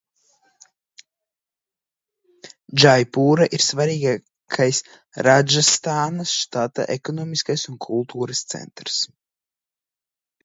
Džaipura ir svarīgākais Rādžastānas štata ekonomiskais un kultūras centrs.